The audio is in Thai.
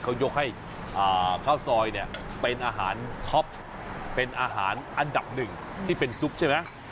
เขายกให้ข้าวซอยเนี่ยเป็นอาหารท็อปเป็นอาหารอันดับหนึ่งที่เป็นซุปใช่ไหม